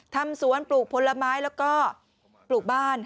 ทำสวนปลูกผลไม้แล้วก็ปลูกบ้าน